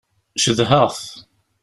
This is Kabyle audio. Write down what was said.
Cedhaɣ-t.